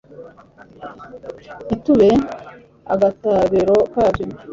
ntitube agatobero kabyo